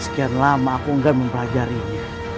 sekian lama aku enggak mempelajarinya